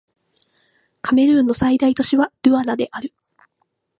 カメルーンの最大都市はドゥアラである